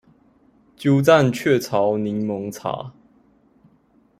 鳩佔鵲巢檸檬茶